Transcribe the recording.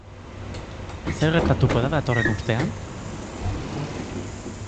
Zer gertatuko da datorren urtean?